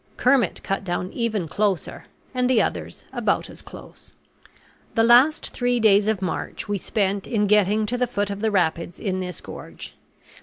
Kermit cut down even closer; and the others about as close. The last three days of March we spent in getting to the foot of the rapids in this gorge.